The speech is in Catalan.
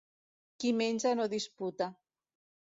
Qui menja no disputa.